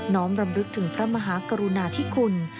้อมรำลึกถึงพระมหากรุณาธิคุณ